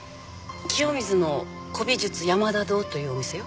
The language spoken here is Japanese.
清水の古美術山田堂というお店よ。